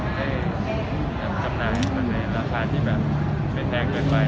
จะทำนายลักษณ์ที่สงบไป